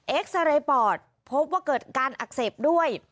ซาเรย์ปอดพบว่าเกิดการอักเสบด้วย